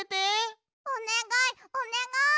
おねがいおねがい！